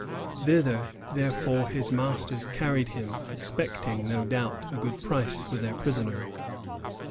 Thither, therefore, his masters carried him, expecting, no doubt, a good price for their prisoner.